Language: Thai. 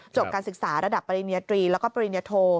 การศึกษาระดับปริญญาตรีแล้วก็ปริญญโท